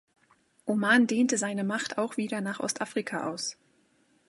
Oman dehnte seine Macht auch wieder nach Ostafrika aus.